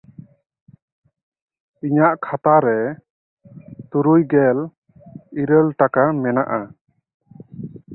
ᱤᱧᱟᱜ ᱠᱷᱟᱛᱟ ᱨᱮ ᱛᱩᱨᱩᱭᱜᱮᱞ ᱤᱨᱟᱹᱞ ᱴᱟᱠᱟ ᱢᱮᱱᱟᱜᱼᱟ᱾